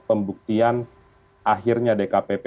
pembuktian akhirnya dkpp